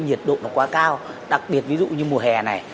nhiệt độ nó quá cao đặc biệt ví dụ như mùa hè này